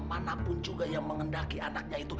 manapun juga yang mengendaki anaknya itu